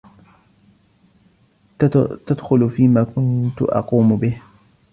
تدخل فيما كنت أقوم به.